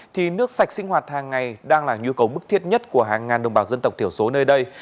thì nước sạch sinh hoạt hàng ngày đang là nhu cầu bức thiết nhất của hàng ngàn đồng bào dân tộc thiểu số nơi đây